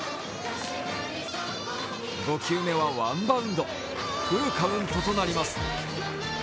５球目はワンバウンドフルカウントとなります。